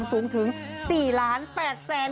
สูงถึง๔ล้าน๘แสน